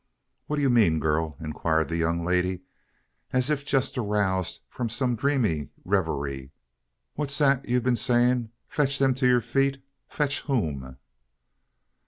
"What do you mean, girl?" inquired the young lady, as if just aroused from some dreamy reverie. "What's that you've been saying? Fetch them to your feet? Fetch whom?"